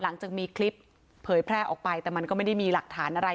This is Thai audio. หลังจากมีคลิปเผยแพร่ออกไปแต่มันก็ไม่ได้มีหลักฐานอะไร